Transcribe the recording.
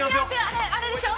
あれあれでしょ？